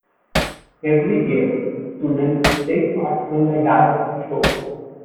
Every year, students take part in the Dance Show.